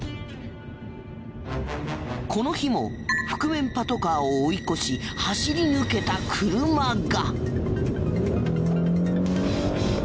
この日も覆面パトカーを追い越し走り抜けた車が。